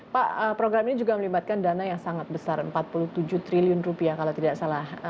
pak program ini juga melibatkan dana yang sangat besar empat puluh tujuh triliun rupiah kalau tidak salah